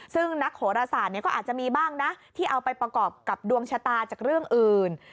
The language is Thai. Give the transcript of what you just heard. ซึ่งนักโหรศาสตร์ก็อาจจะมีบ้างนะที่เอาไปประกอบกับดวงชะตาจากเรื่องอื่น